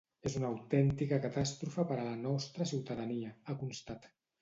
“És una autèntica catàstrofe per a la nostra ciutadania”, ha constat.